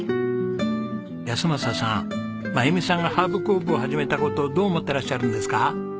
安正さん真由美さんがハーブ工房を始めた事どう思ってらっしゃるんですか？